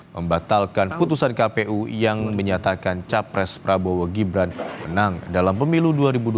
membatalkan putusan kpu yang menyatakan capres prabowo gibran menang dalam pemilu dua ribu dua puluh